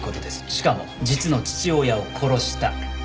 しかも実の父親を殺した。